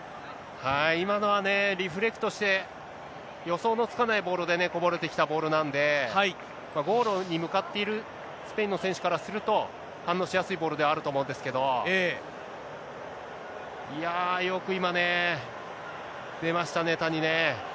今のはね、リフレクトして、予想のつかないボールでね、こぼれてきたボールなんで、ゴールに向かっているスペインの選手からすると、反応しやすいボールではあると思うんですけど、いやぁ、よく今ね、出ましたね、谷ね。